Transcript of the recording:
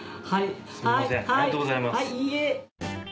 はい。